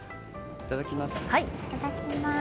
いただきます。